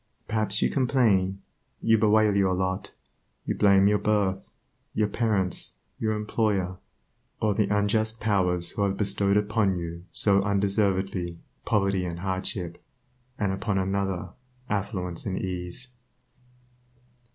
Perhaps you complain, you bewail your lot; you blame your birth, your parents, your employer, or the unjust Powers who have bestowed upon you so undeservedly poverty and hardship, and upon another affluence and ease.